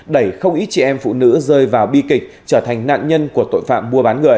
đẩy không ít chị em phụ nữ rơi vào bi kịch trở thành nạn nhân của tội phạm mua bán người